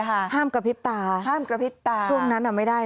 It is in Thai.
ห้ามกระพริบตาช่วงนั้นไม่ได้เลยห้ามกระพริบตา